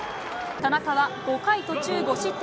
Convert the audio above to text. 田中は、５回途中５失点。